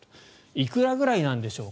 いくらぐらいなんでしょうか。